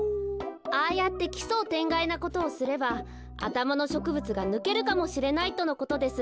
ああやって奇想天外なことをすればあたまのしょくぶつがぬけるかもしれないとのことです。